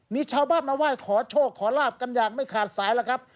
มีชาวบ้านมาไหว้ขอโชคขอลาบกันอย่างไม่ขาดสายแล้วครับ